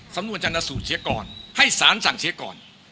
สำนวนชนสูตรเสียก่อนให้สารสั่งเสียก่อน